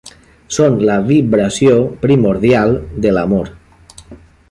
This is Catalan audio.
Són la vibració primordial de l'amor.